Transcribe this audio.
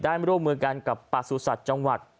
ร่วมมือกันกับประสุทธิ์จังหวัด